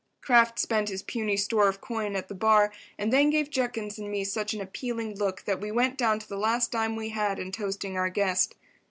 Kraft spent his puny store of coin at the bar and then gave Judkins and me such an appealing look that we went down to the last dime we had in toasting our guest.